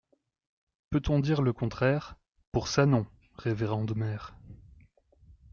Peut-on dire le contraire ? Pour ça non, révérende mère.